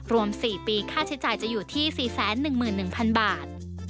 รวม๔ปีค่าใช้จ่ายจะอยู่ที่๔๑๑๐๐๐บาท